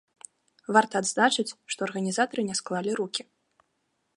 Варта адзначыць, што арганізатары не склалі рукі.